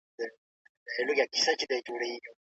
ایا هلک لا هم د کوټې دروازه په لغتو وهي؟